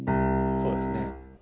そうですね。